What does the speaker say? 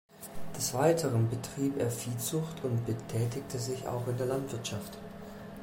Des Weiteren betrieb er Viehzucht und betätigte sich auch in der Landwirtschaft.